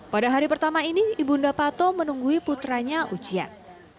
pada hari pertama ini ibu unda pato menunggui putranya ujian